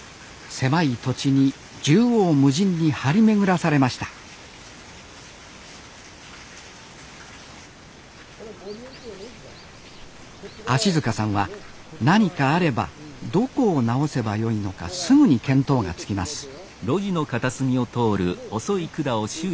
狭い土地に縦横無尽に張り巡らされました芦さんは何かあればどこを直せばよいのかすぐに見当がつきます